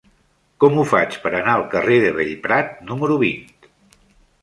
Com ho faig per anar al carrer de Bellprat número vint?